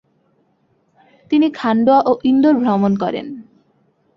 তিনি খান্ডোয়া ও ইন্দোর ভ্রমণ করেন।